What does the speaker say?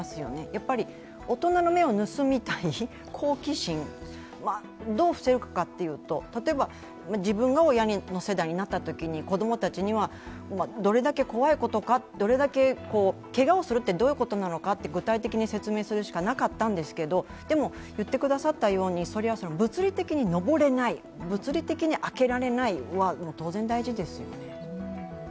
やっぱり大人の目を盗みたい、好奇心、どう防ぐかというと、例えば自分が親の世代になったときに、子供たちには、どれだけ怖いことかけがをするってどういうことなのか、具体的に説明するしかなかったんですけど、でも、物理的に登れない、物理的に開けられないは当然大事ですよね。